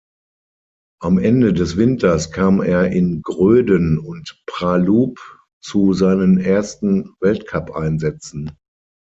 Am Ende des Winters kam er in Gröden und Pra-Loup zu seinen ersten Weltcupeinsätzen.